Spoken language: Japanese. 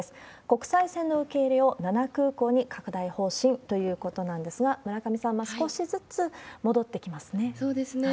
国際線の受け入れを７空港に拡大方針ということですが、村上さん、そうですね。